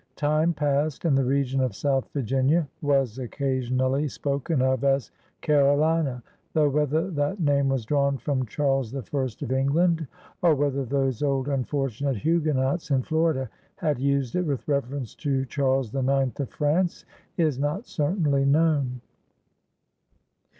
Time passed, and the region of South Virginia was occasionally spoken of as Caro lina, though whether that name was drawn from Charles the First of England, or whether those old unfortunate Huguenots in Florida had used it with reference to Charles the Ninth of France, is not certainly known.